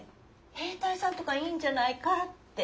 兵隊さんとかいいんじゃないかって。